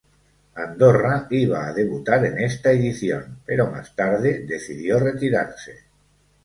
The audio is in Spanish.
Andorra iba a debutar en esta edición, pero más tarde decidió retirarse.